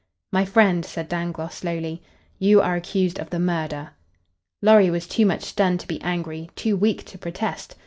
"My friend," said Dangloss, slowly, "you are accused of the murder." Lorry was too much stunned to be angry, too weak to protest.